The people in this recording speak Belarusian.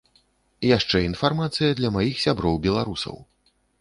Яшчэ інфармацыя для маіх сяброў беларусаў!